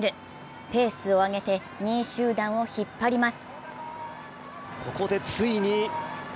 ペースを上げて２位集団を引っ張ります。